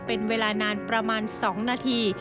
เป็นเวลานานประมาณ๒นาที